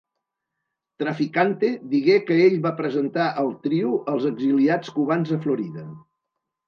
Trafficante digué que ell va presentar el trio als exiliats cubans a Florida.